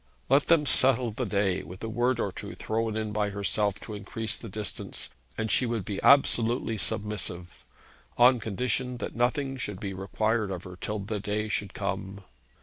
Let them settle the day with a word or two thrown in by herself to increase the distance and she would be absolutely submissive, on condition that nothing should be required of her till the day should come.